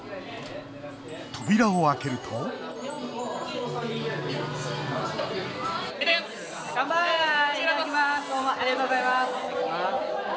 扉を開けるとどうも、ありがとうございます。